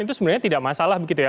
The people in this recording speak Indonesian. itu sebenarnya tidak masalah begitu ya